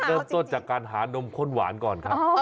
เริ่มต้นจากการหานมข้นหวานก่อนครับ